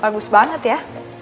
bagus banget ya